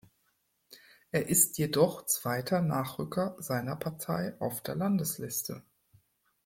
Er ist jedoch zweiter Nachrücker seiner Partei auf der Landesliste.